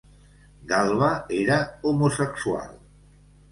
Galba era homosexual.